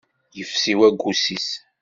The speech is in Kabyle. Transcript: Ifsi waggus-is.